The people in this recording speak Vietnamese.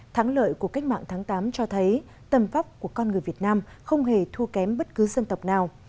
thắng lợi của cách mạng tháng tám cho thấy tầm vóc của con người việt nam không hề thua kém bất cứ dân tộc nào